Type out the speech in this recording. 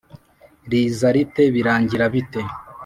riza rite?birangira bite ?